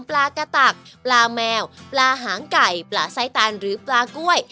ปลากระตักปลาแมวปลาหางไก่ปลาไส้ตานหรือปลากล้วย